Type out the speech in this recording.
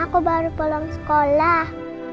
aku baru pulang sekolah